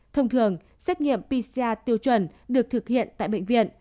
thông thường xét nghiệm pcr tiêu chuẩn được thực hiện tại bệnh viện